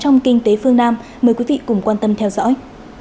trong kinh tế phương nam mời quý vị cùng quan tâm theo dõi